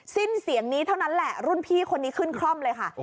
สิ้นเสียงนี้เท่านั้นแหละรุ่นพี่คนนี้ขึ้นคล่อมเลยค่ะ